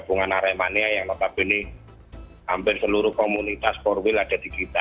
gabungan aremania yang notabene hampir seluruh komunitas empat wheel ada di kita